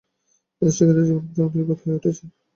এতে শিক্ষার্থীদের জীবন প্রায় অনিরাপদ হয়ে উঠেছে।